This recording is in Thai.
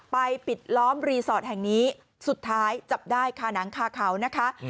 ปิดล้อมรีสอร์ทแห่งนี้สุดท้ายจับได้คาหนังคาเขานะคะ